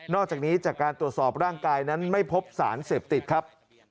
อกจากนี้จากการตรวจสอบร่างกายนั้นไม่พบสารเสพติดครับ